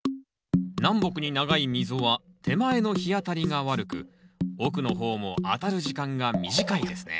南北に長い溝は手前の日当たりが悪く奥の方も当たる時間が短いですね